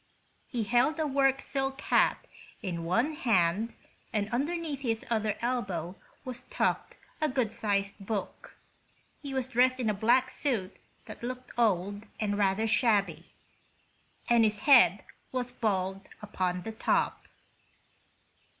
He held a work silk hat in one hand and underneath his other elbow was tucked a good sized book. He was dressed in a black suit that looked old and rather shabby, and his head was bald upon the top.